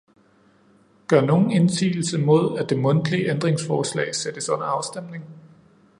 Gør nogen indsigelse mod, at det mundtlige ændringsforslag sættes under afstemning?